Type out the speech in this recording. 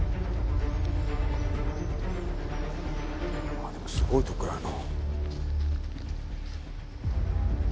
まあでもすごいとこやな。